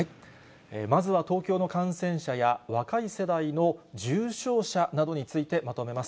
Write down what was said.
まずは東京の感染者や、若い世代の重症者などについてまとめます。